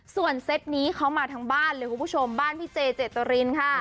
ส่วนเซ็ตนี้เขามาทางบ้านหรือผู้ชมบ้านจ๊เจเจริ้ตรินค่ะ